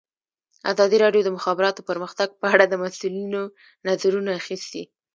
ازادي راډیو د د مخابراتو پرمختګ په اړه د مسؤلینو نظرونه اخیستي.